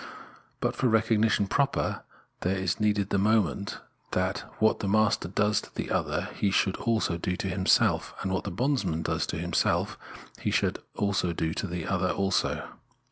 But for recognition proper there is needed the moment that what the master does to the other he should also do to himself, and what the bonds man does to himself, he should do to the other also.